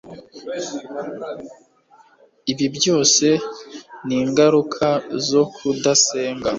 Ibi byose ni ingaruka zokuda senga